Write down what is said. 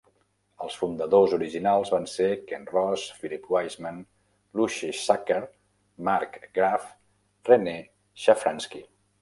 Els fundadors originals van ser Ken Ross, Philip Weisman, Lushe Sacker, Mark Graff, Renee Shafransky.